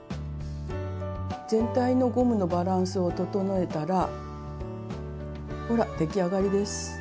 全体のゴムのバランスを整えたらほら出来上がりです！